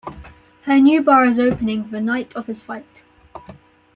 Her new bar is opening the night of his fight.